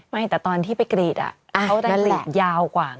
แต่ตอนที่ไปกรีดเขาจะกรีดยาวกว่า